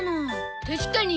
確かに。